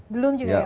belum juga ya pak